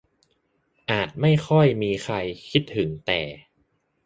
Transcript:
อาจไม่ค่อยมีใครคิดถึงแต่